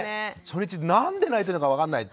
初日何で泣いてるのか分かんない。